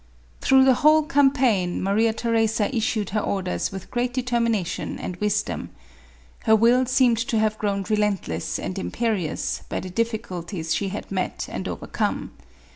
Through the whole campaign, Maria Theresa issued her orders with great determination and wisdom. Her will seemed to have grown relent less and imperious, by the difficulties she had met and overcome.